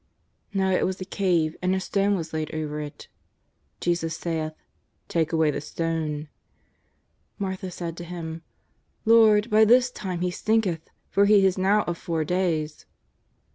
Now it was a cave, and a stone was laid over it. Jesus saith :" Take away the stone." Martha saith to Him :" Lord, by this time he stinketh, for he is now of four days."